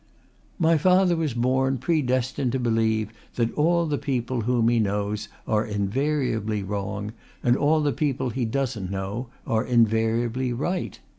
"My father was born predestined to believe that all the people whom he knows are invariably wrong, and all the people he doesn't know are invariably right.